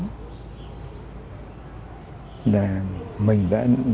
là mình đã làm được nên những cái nơi trang trọng tôn nghiêm nơi thờ cúng bác ở bên nhà sáu mươi bảy